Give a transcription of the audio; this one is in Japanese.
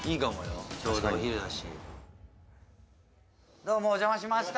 どうもお邪魔しました。